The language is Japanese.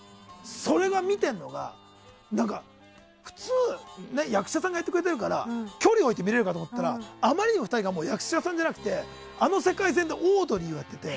それを見ているのが普通、役者さんがやっているから距離を置いて見れるかと思ったらあまりにも２人が役者さんじゃなくてあの世界線のオードリーをやってて。